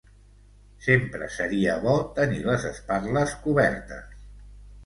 Sempre seria bo tenir les espatles cobertes.